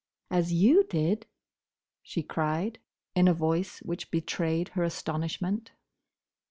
"As you did—?" she cried, in a voice which betrayed her astonishment.